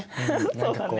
そうだね。